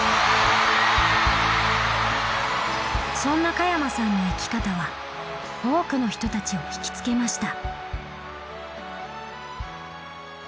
そんな加山さんの生き方は多くの人たちを惹きつけました。